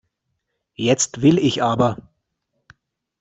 Jetzt will ich aber.